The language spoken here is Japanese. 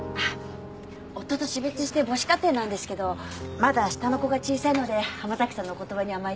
夫と死別して母子家庭なんですけどまだ下の子が小さいので浜崎さんのお言葉に甘えて